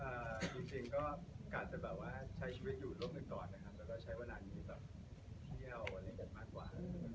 อ่าอีกสิ่งก็การจะแบบว่าใช้ชีวิตอยู่ร่วมกันก่อนนะครับแล้วก็ใช้วันอันนี้แบบเที่ยวอะไรกันมากกว่า